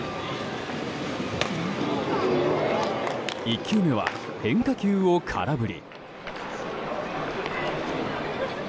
１球目は、変化球を空振り。